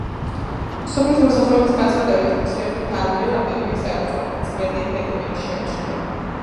სოფლის მოსახლეობის განცხადებით მცირე ხნით ადრე რამდენიმე საეჭვო, წვერიანი ადამიანი შეამჩნია.